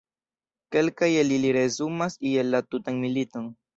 Kelkaj el ili resumas iel la tutan militon.